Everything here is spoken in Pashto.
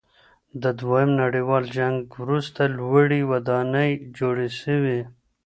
د دویم نړیوال جنګ وروسته لوړې ودانۍ جوړې سوې.